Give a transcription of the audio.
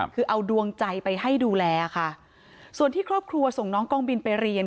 คือเอาดวงใจไปให้ดูแลค่ะส่วนที่ครอบครัวส่งน้องกองบินไปเรียน